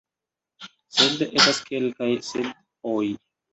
Sed – estas kelkaj sed-oj.